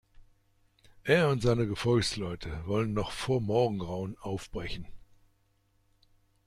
Er und seine Gefolgsleute wollen noch vor Morgengrauen aufbrechen.